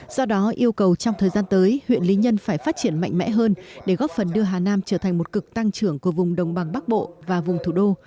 do đó yêu cầu trong thời gian tới huyện lý nhân phải phát triển mạnh mẽ hơn để góp phần đưa hà nam trở thành một cực tăng trưởng của vùng đồng bằng bắc bộ và vùng thủ đô